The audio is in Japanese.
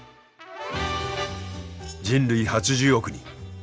人類８０億人。